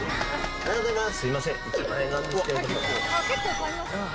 ありがとうございます。